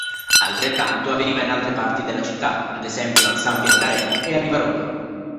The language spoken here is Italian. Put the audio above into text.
Altrettanto avveniva in altre parti della città, ad esempio a Sampierdarena e a Rivarolo.